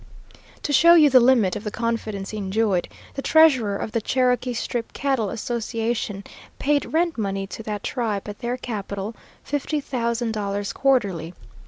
"To show you the limit of the confidence he enjoyed: the treasurer of the Cherokee Strip Cattle Association paid rent money to that tribe, at their capital, fifty thousand dollars quarterly.